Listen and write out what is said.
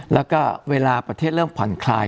แล้วก็เวลาประเทศเริ่มผ่อนคลาย